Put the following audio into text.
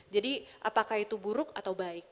jadi apakah itu buruk atau baik